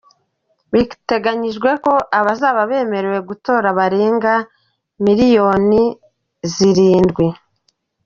Biteganyijwe ko abazaba bemerewe gutora barenga miliyoni zirindwi.